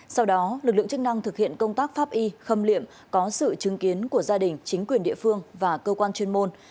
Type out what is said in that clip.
sau đó lực lượng chức năng thực hiện công tác pháp y khâm liệm có sự chứng kiến của gia đình chính quyền địa phương và cơ quan chuyên môn